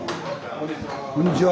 こんにちは。